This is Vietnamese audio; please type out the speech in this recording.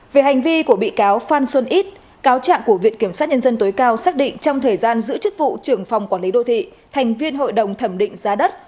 về hành vi của bị cáo phan xuân ít cáo trạng của viện kiểm sát nhân dân tối cao xác định trong thời gian giữ chức vụ trưởng phòng quản lý đô thị thành viên hội đồng thẩm định giá đất